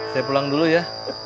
saya pulang dulu ya